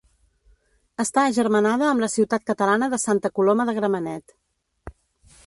Està agermanada amb la ciutat catalana de Santa Coloma de Gramenet.